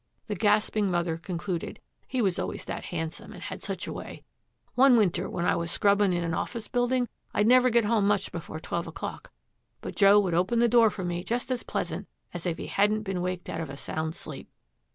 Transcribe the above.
The gasping mother concluded, 'He was always that handsome and had such a way. One winter when I was scrubbing in an office building, I'd never get home much before twelve o'clock; but Joe would open the door for me just as pleasant as if he hadn't been waked out of a sound sleep.'